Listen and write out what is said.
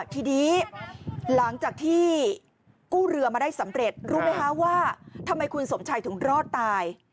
ทีนี้หลังจากที่กู้เรือมาได้สำเร็จรู้ไหมคะว่าทำไมคุณสมชัยถึงรอดตาย